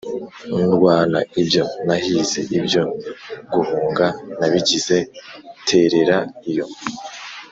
Ndwana ibyo nahize, ibyo guhunga nabigize terera iyo,